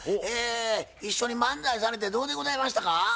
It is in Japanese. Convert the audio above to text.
え一緒に漫才されてどうでございましたか？